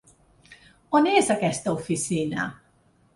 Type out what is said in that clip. On és aquesta oficina?